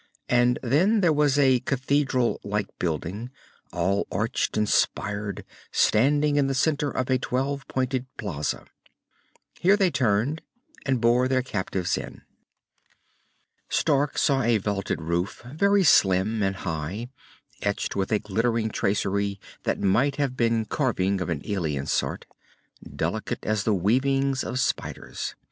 And then there was a cathedral like building all arched and spired, standing in the center of a twelve pointed plaza. Here they turned, and bore their captives in. Stark saw a vaulted roof, very slim and high, etched with a glittering tracery that might have been carving of an alien sort, delicate as the weavings of spiders.